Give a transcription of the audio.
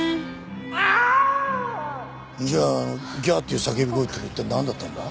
じゃあ「ギャー」っていう叫び声ってのは一体なんだったんだ？